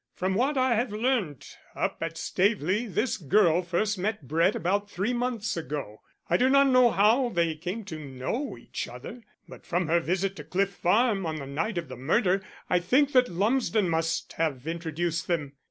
From what I have learnt up at Staveley this girl first met Brett about three months ago. I do not know how they came to know each other, but from her visit to Cliff Farm on the night of the murder I think that Lumsden must have introduced them.